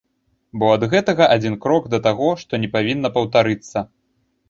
Бо ад гэтага адзін крок да таго, што не павінна паўтарыцца.